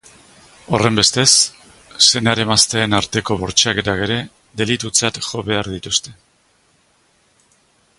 Horrenbestez, senar-emazteen arteko bortxaketak ere delitutzat jo behar dituzte.